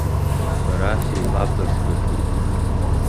Бара сеилабгарц баҿуп!